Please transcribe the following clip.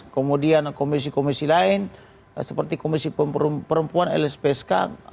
kemudian komisi komisi lain seperti komisi perempuan lspsk kemudian jaksa akung semua dibohongi sama dia